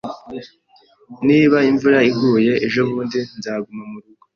Niba imvura iguye ejobundi, nzaguma murugo.